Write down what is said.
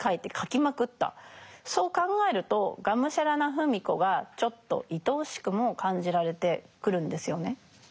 そう考えるとがむしゃらな芙美子がちょっと愛おしくも感じられてくるんですよね。